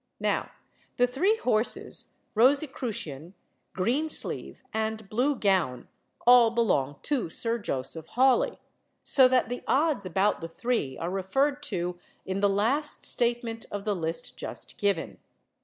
Now, the three horses, Rosicrucian, Green Sleeve, and Blue Gown, all belong to Sir Joseph Hawley, so that the odds about the three are referred to in the last statement of the list just given.